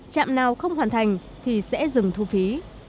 trạm nào không hoàn thành thì sẽ dừng thu phí